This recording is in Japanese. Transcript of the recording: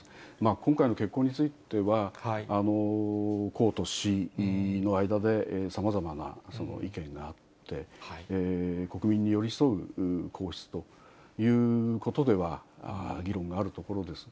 今回の結婚については、公と私の間で、さまざまな意見があって、国民に寄り添う皇室ということでは議論があるところです。